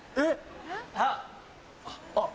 あっ！